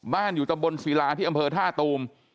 อยู่ตำบลศิลาที่อำเภอท่าตูม